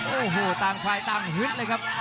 โอ้โหต่างฝ่ายต่างฮึดเลยครับ